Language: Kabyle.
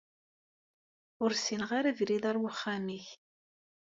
Ur ssineɣ ara abrid ar wexxam-ik.